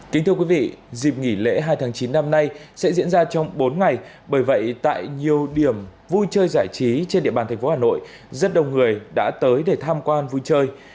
kính thưa quý vị dịp nghỉ lễ hai tháng chín năm nay sẽ diễn ra trong bốn ngày bởi vậy tại nhiều điểm vui chơi giải trí trên địa bàn thành phố hà nội rất đông người đã tới để tham quan vui chơi